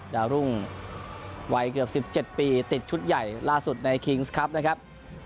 ดาวรุ่งวัยเกือบ๑๗ปีติดชุดใหญ่ล่าสุดในคิงส์ครับนะครับ